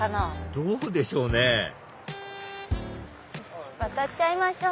どうでしょうね渡っちゃいましょう！